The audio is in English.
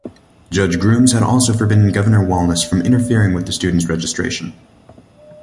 Judge Grooms had also forbidden Governor Wallace from interfering with the students' registration.